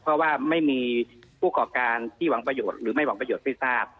เพราะว่าไม่มีผู้ก่อการที่หวังประโยชน์หรือไม่หวังประโยชน์ไม่ทราบ